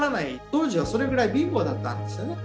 当時はそれぐらい貧乏だったんですよね。